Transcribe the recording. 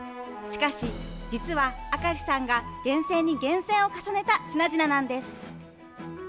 しかし、実は明石さんが厳選に厳選を重ねた品々なんです。